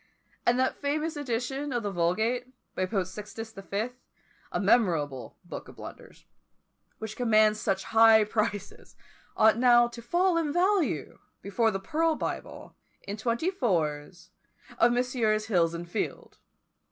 And that famous edition of the Vulgate, by Pope Sixtus the Fifth, a memorable book of blunders, which commands such high prices, ought now to fall in value, before the pearl Bible, in twenty fours, of Messrs. Hills and Field!